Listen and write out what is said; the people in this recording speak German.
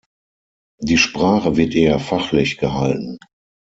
Die Sprache wird eher fachlich gehalten.